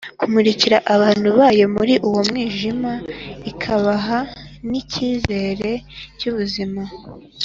kumurikira abantu bayo muri uwo mwijima ikabaha n’icyizere cy’ubuzima.